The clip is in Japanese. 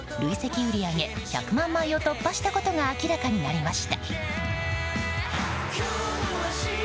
売り上げ１００万枚を突破したことが明らかになりました。